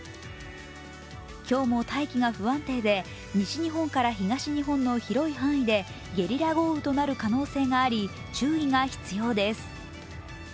今日も大気が不安定で西日本から東日本の広い範囲でゲリラ豪雨となる可能性があり注意が必要です。